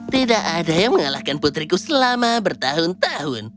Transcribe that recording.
tidak ada yang mengalahkan putriku selama bertahun tahun